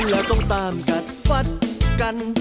ดูแล้วคงไม่รอดเพราะเราคู่กัน